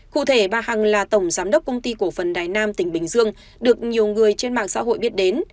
cụ thể bà hằng là tổng giám đốc công ty cổ phần đài nam tỉnh bình dương được nhiều người trên mạng xã hội biết đến